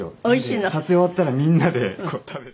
撮影終わったらみんなで食べて。